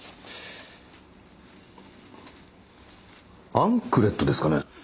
アンクレットですかね？